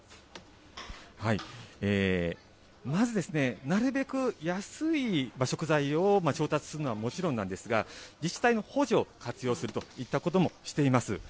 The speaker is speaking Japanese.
まず、なるべく安い食材を調達するのはもちろんなんですが、自治体の補助を活用するといったこともしています。